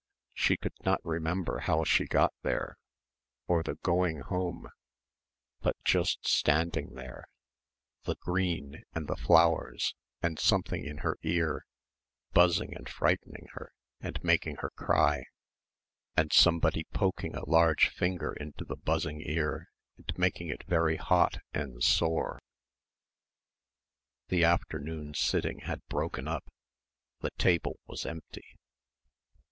She could not remember how she got there or the going home, but just standing there the green and the flowers and something in her ear buzzing and frightening her and making her cry, and somebody poking a large finger into the buzzing ear and making it very hot and sore. The afternoon sitting had broken up. The table was empty.